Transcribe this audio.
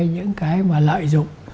những cái mà lợi dụng